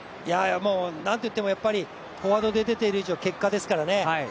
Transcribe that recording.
なんといってもフォワードで出ている以上結果ですからね。